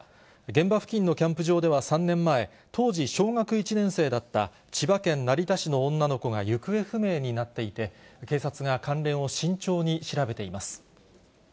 現場付近のキャンプ場では３年前、当時小学１年生だった千葉県成田市の女の子が行方不明になっていて、警察が関連を慎重に調べています。